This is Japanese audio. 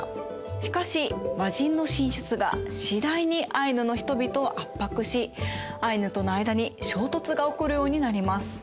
しかし和人の進出が次第にアイヌの人々を圧迫しアイヌとの間に衝突が起こるようになります。